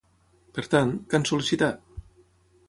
Per tant, què han sol·licitat?